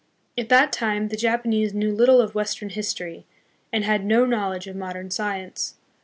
At that time the Japanese knew little of western history, and had no knowledge of modern science.